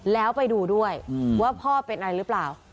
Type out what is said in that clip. แล้วไปดูด้วยว่าพ่อเป็นอะไรหรือเปล่า